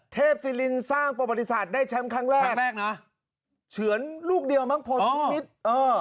ซิลินสร้างประวัติศาสตร์ได้แชมป์ครั้งแรกครั้งแรกนะเฉือนลูกเดียวมั้งพลชีวิตเออ